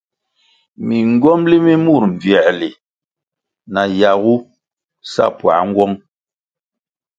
Mingywomli mi mur mbvierli na yagu sa puáh nğuong.